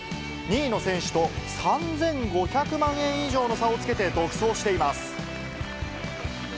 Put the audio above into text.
２位の選手と３５００万円以上の差をつけて独走しています。